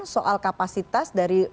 soal kapasitas dari